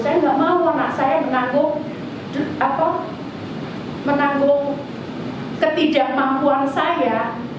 saya nggak mau anak saya menanggung ketidakmampuan saya